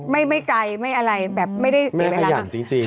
ไม่ไกลไม่อะไรแบบไม่ได้เสียเวลา